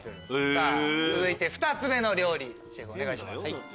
さぁ続いて２つ目の料理シェフお願いします。